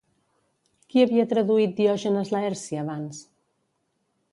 Qui havia traduït Diògenes Laerci abans?